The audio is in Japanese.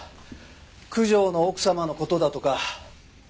九条の奥様の事だとか。